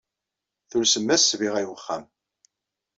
Tulsem-as ssbiɣa i wexxam.